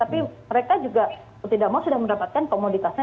tapi mereka juga mau tidak mau sudah mendapatkan komoditasnya